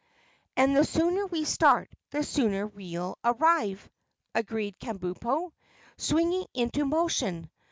"And the sooner we start, the sooner we'll arrive," agreed Kabumpo, swinging into motion.